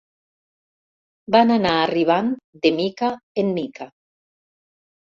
Van anar arribant de mica en mica.